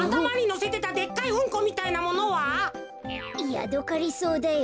ヤドカリソウだよ。